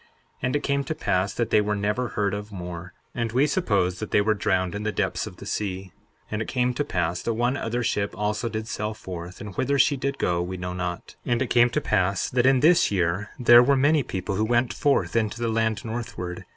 63:8 And it came to pass that they were never heard of more. And we suppose that they were drowned in the depths of the sea. And it came to pass that one other ship also did sail forth; and whither she did go we know not. 63:9 And it came to pass that in this year there were many people who went forth into the land northward.